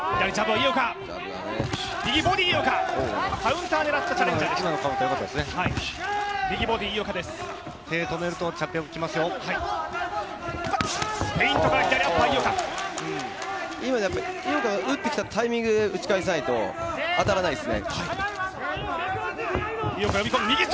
井岡が打ってきたタイミングで打ち返さないと当たらないですね。